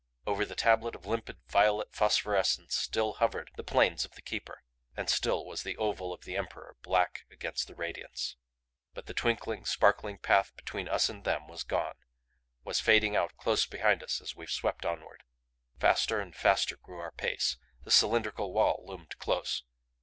Over the tablet of limpid violet phosphorescence still hovered the planes of the Keeper; and still was the oval of the Emperor black against the radiance. But the twinkling, sparkling path between us and them was gone was fading out close behind us as we swept onward. Faster and faster grew our pace. The cylindrical wall loomed close.